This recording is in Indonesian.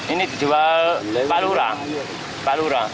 ini dijual palura